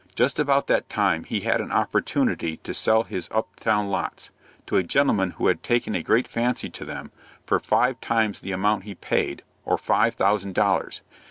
Just about that time he had an opportunity to sell his up town lots, to a gentleman who had taken a great fancy to them, for five times the amount he paid, or five thousand dollars.